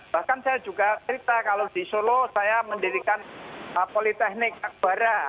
bahkan saya juga cerita kalau di solo saya mendirikan politeknik akbara